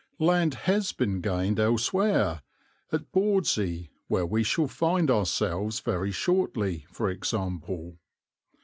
Land has been gained elsewhere, at Bawdsey, where we shall find ourselves very shortly, for example.